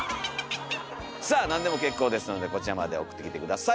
さあ何でも結構ですのでこちらまで送ってきて下さい。